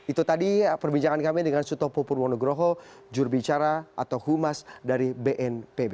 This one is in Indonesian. itu tadi perbincangan kami dengan sutopo purwonugroho jurubicara atau humas dari bnpb